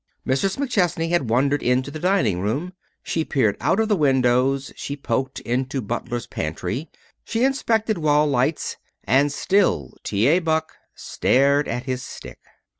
Mrs. McChesney had wandered into the dining room. She peered out of windows. She poked into butler's pantry. She inspected wall lights. And still T. A. Buck stared at his stick.